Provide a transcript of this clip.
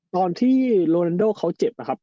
ตอนที่โรนันโดเขาเจ็บนะครับ